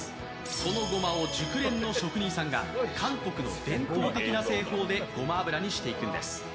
そのごまを熟練の職人さんが韓国の伝統的な製法でごま油にしていくんです。